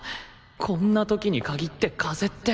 こんな時に限って風邪って